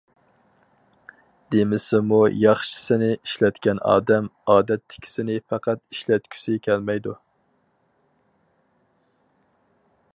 دېمىسىمۇ ياخشىسىنى ئىشلەتكەن ئادەم، ئادەتتىكىسىنى پەقەت ئىشلەتكۈسى كەلمەيدۇ.